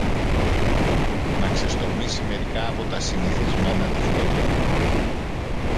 να ξεστομίσει μερικά από τα συνηθισμένα της λόγια.